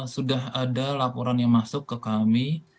sudah ada laporan yang masuk ke kami